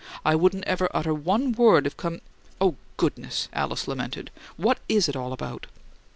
I wouldn't ever utter one word of com " "Oh, goodness!" Alice lamented. "What IS it all about?"